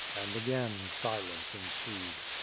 And again silence ensued.